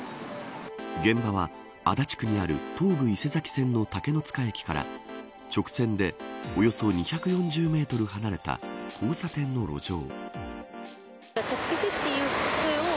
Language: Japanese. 現場は足立区にある東武伊勢崎線の竹ノ塚駅から直線でおよそ２４０メートル離れた交差点の路上。